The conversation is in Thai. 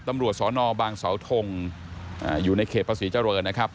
ตำรวจสนบางสธงอยู่ในเขตประสิทธิ์เจ้าร้อนนะครับ